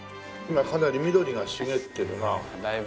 今かなり緑が茂ってるな。